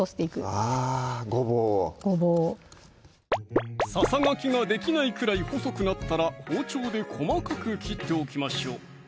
あぁごぼうをごぼうをささがきができないくらい細くなったら包丁で細かく切っておきましょう